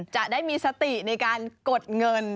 จะได้มีสติในการกดเงิน